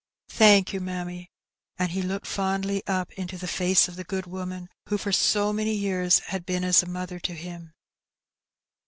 " Thank you, mammy ;" and he looked fondly up into the face of the good woman who for so many years had been as a mother to him.